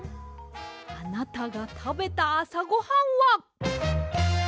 あなたがたべたあさごはんは。